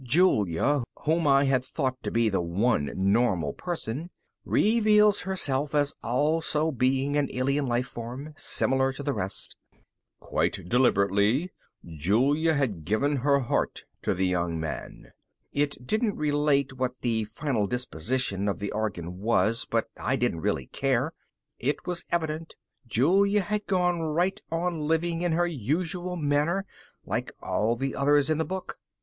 Julia, whom I had thought to be the one normal person, reveals herself as also being an alien life form, similar to the rest: ... quite deliberately, Julia had given her heart to the young man. It didn't relate what the final disposition of the organ was, but I didn't really care. It was evident Julia had gone right on living in her usual manner, like all the others in the book.